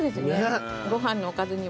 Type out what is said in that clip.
ご飯のおかずにも。